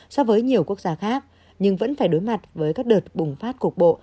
so với nhiều quốc gia khác nhưng vẫn phải đối mặt với các đợt bùng phát cục bộ